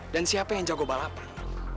dan siapa yang jago balapan